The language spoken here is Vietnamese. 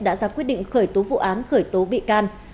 đã ra quyết định khởi tố vụ án khởi tố bị can